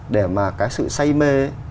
để mà cái sự say mê